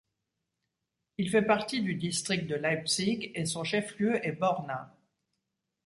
Il fait partie du district de Leipzig et son chef-lieu est Borna.